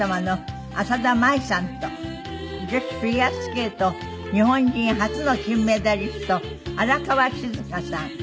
女子フィギュアスケート日本人初の金メダリスト荒川静香さん。